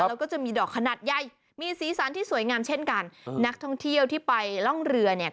แล้วก็จะมีดอกขนาดใหญ่มีสีสันที่สวยงามเช่นกันนักท่องเที่ยวที่ไปร่องเรือเนี่ย